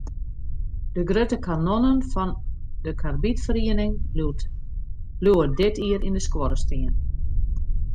De grutte kanonnen fan de karbidferiening bliuwe dit jier yn de skuorre stean.